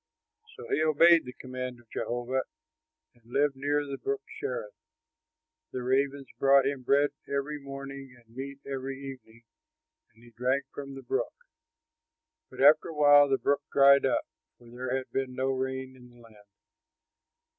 So he obeyed the command of Jehovah and lived near the Brook Cherith. The ravens brought him bread every morning and meat every evening, and he drank from the brook. But after a while the brook dried up, for there had been no rain in the land.